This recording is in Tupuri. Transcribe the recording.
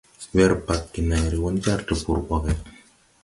Wer bagge nāyre wō ni jar tpur boge.